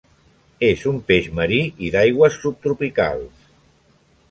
És un peix marí i d'aigües subtropicals.